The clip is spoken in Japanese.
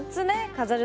飾る